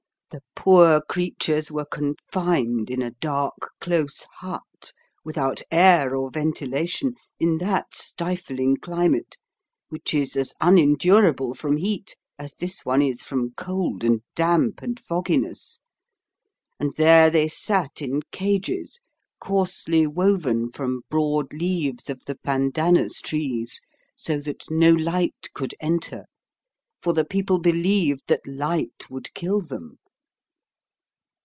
The poor creatures were confined in a dark, close hut, without air or ventilation, in that stifling climate, which is as unendurable from heat as this one is from cold and damp and fogginess; and there they sat in cages, coarsely woven from broad leaves of the pandanus trees, so that no light could enter; for the people believed that light would kill them.